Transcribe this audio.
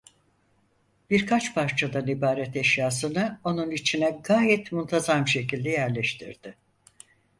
Birkaç parçadan ibaret eşyasını onun içine gayet muntazam şekilde yerleştirdi.